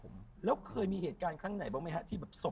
มค่ะมีมี